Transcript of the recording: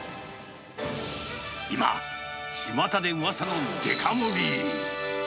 今、巷でうわさのデカ盛り。